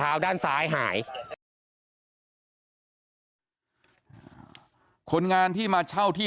ส่วนจับตรงไหนลงไปพี่